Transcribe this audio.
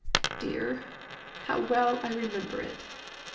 Dear! how well I remember it.